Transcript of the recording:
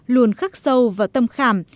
luôn khắc sâu và tâm khảm